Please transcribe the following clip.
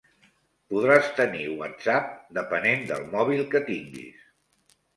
Podràs tenir WhatsApp depenent del mòbil que tinguis